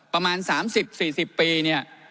และกลมทางหลวงชนบทประมาณ๓๐๔๐ปี